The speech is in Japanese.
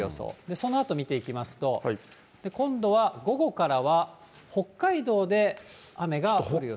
そのあと見ていきますと、今度は午後からは、北海道で雨が降る予想。